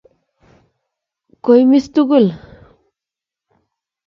Kiomis tugul